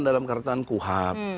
dalam kataan kuhap